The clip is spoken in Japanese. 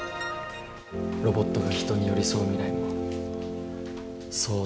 ロボットが人に寄り添う未来